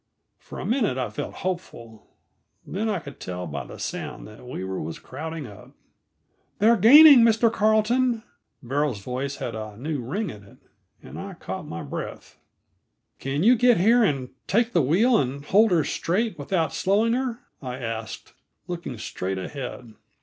For a minute I felt hopeful. Then I could tell by the sound that Weaver was crowding up. "They're gaining, Mr. Carleton!" Beryl's voice had a new ring in it, and I caught my breath. "Can you get here and take the wheel and hold her straight without slowing her?" I asked, looking straight ahead.